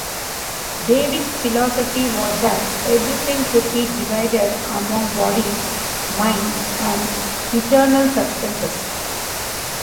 David's philosophy was that everything could be divided among bodies, minds, and eternal substances.